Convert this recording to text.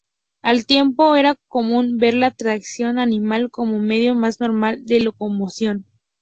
Al tiempo, era común ver la tracción animal como medio más normal de locomoción.